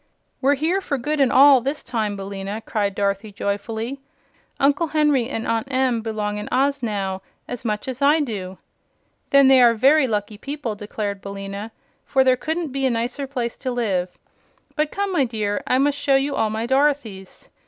"We're here for good and all, this time, Billina," cried Dorothy, joyfully. "Uncle Henry and Aunt Em belong to Oz now as much as I do!" "Then they are very lucky people," declared Billina; "for there couldn't be a nicer place to live. But come, my dear; I must show you all my Dorothys.